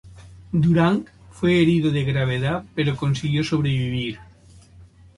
Durant fue herido de gravedad pero consiguió sobrevivir.